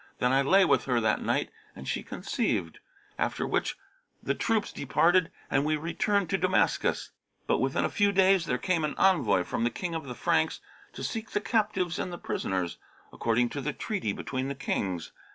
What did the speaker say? Then I lay with her that night and she conceived; after which the troops departed and we returned to Damascus. But within a few days there came an envoy from the King of the Franks, to seek the captives and the prisoners, according to the treaty between the Kings.